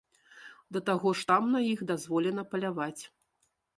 Да таго ж там на іх дазволена паляваць.